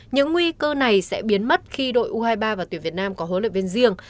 những nguy cơ này sẽ biến mất khi đội u hai mươi ba và tuyển việt nam có huấn luyện viên riêng